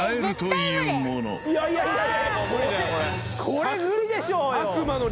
これ無理でしょうよ。